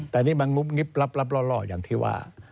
แต่นี่มันงุบงิบลับล่ออย่างที่ว่า